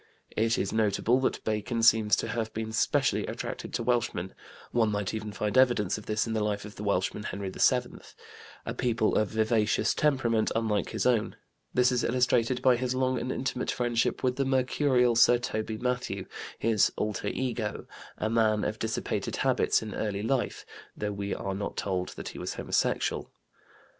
It is notable that Bacon seems to have been specially attracted to Welshmen (one might even find evidence of this in the life of the Welshman, Henry VII), a people of vivacious temperament unlike his own; this is illustrated by his long and intimate friendship with the mercurial Sir Toby Mathew, his "alter ego," a man of dissipated habits in early life, though we are not told that he was homosexual.